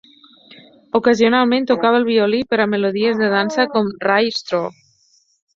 Ocasionalment tocava el violí per a melodies de dansa com "Rye Straw".